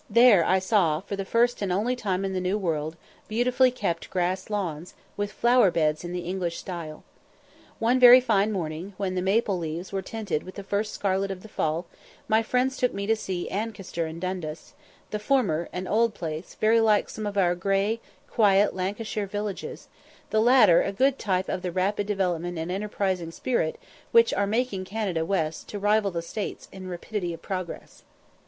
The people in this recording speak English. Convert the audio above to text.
There I saw, for the first and only time in the New World, beautifully kept grass lawns, with flower beds in the English style. One very fine morning, when the maple leaves were tinted with the first scarlet of the fall, my friends took me to see Ancaster and Dundas; the former, an old place, very like some of our grey, quiet Lancashire villages the latter a good type of the rapid development and enterprising spirit which are making Canada West to rival the States in rapidity of progress.